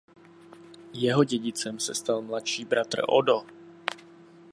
Jeho dědicem se stal mladší bratr Odo.